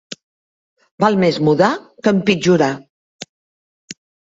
Val més mudar que empitjorar.